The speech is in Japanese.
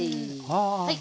はい。